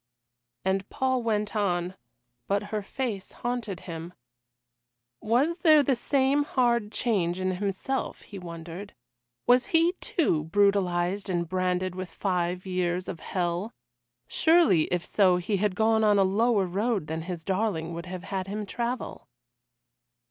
And Paul went on but her face haunted him. Was there the same hard change in himself, he wondered? Was he, too, brutalised and branded with the five years of hell? Surely if so he had gone on a lower road than his darling would have had him travel.